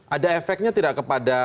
ada efeknya tidak kepada